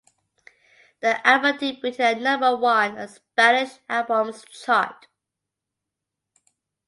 The album debuted at number one on the Spanish albums chart.